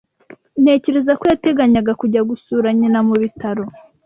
Ntekereza ko yateganyaga kujya gusura nyina mu bitaro.